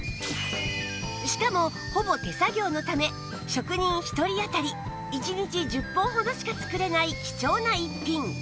しかもほぼ手作業のため職人１人あたり１日１０本ほどしか作れない貴重な逸品